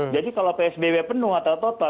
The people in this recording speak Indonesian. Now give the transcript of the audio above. jadi kalau psbb penuh atau total